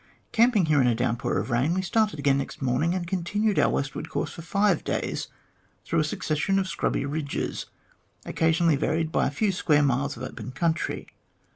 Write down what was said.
Camping here in a downpour of rain, we started again next morning, and continued our westward course for five days through a succession of scrubby ridges, occasionally varied by a few square miles of open country.